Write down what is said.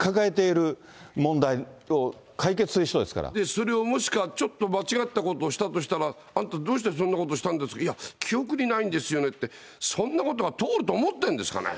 今、にっぽんがいちばんかかえてそれをもしか、ちょっと間違ったことをしたとしたらあんた、どうしてそんなことしたんですか、いや、記憶にないんですよねって、そんなことが通ると思ってるんですかね。